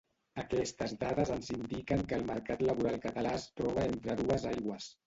Aquestes dades ens indiquen que el mercat laboral català es troba entre dues aigües.